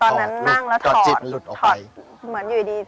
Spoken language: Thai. ชื่องนี้ชื่องนี้ชื่องนี้ชื่องนี้ชื่องนี้ชื่องนี้